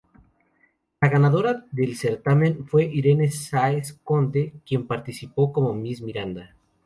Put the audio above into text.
La ganadora del certamen fue Irene Sáez Conde, quien participó como Miss Miranda.